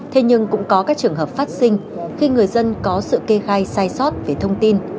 thế nhưng cũng có các trường hợp phát sinh khi người dân có sự kê khai sai sót về thông tin